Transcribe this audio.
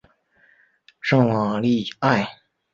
圣瓦利埃。